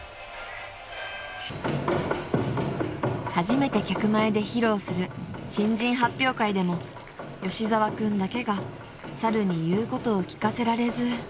［初めて客前で披露する新人発表会でも吉澤君だけが猿に言うことを聞かせられず］